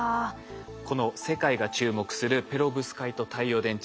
この世界が注目するペロブスカイト太陽電池。